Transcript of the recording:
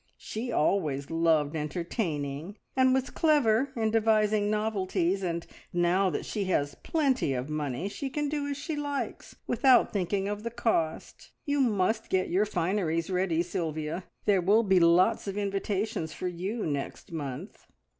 She always loved entertaining, and was clever in devising novelties, and now that she has plenty of money she can do as she likes without thinking of the cost. You must get your fineries ready, Sylvia. There will be lots of invitations for you next month."